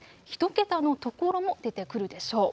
１桁の所も出てくるでしょう。